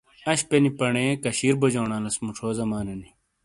۔انشپے نی پنے کاشیر بوجونالیس موچھو زمانے نی۔